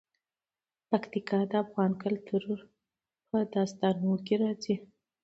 پکتیکا د افغان کلتور په داستانونو کې راځي.